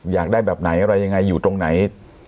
อยากได้แบบไหนอะไรยังไงอยู่ตรงไหน